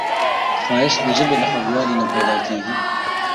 ښایست د ژبې له خوږوالي نه پیداکیږي